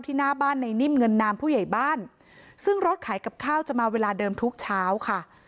หน้าบ้านในนิ่มเงินนามผู้ใหญ่บ้านซึ่งรถขายกับข้าวจะมาเวลาเดิมทุกเช้าค่ะ